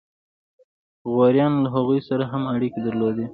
غوریانو له هغوی سره هم اړیکې درلودې.